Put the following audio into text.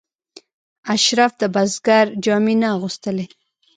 اشراف د بزګر جامې نه اغوستلې.